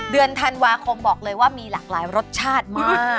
เดือนธันวาคมบอกเลยว่ามีหลากหลายรสชาติมาก